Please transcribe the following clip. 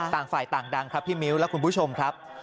ต่างฝ่ายต่างดังครับพี่มิ้วและคุณผู้ชมครับ